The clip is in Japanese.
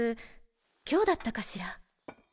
今日だったかしら？